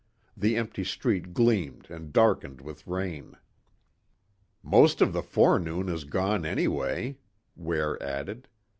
The empty street gleamed and darkened with rain. "Most of the forenoon is gone anyway," Ware added.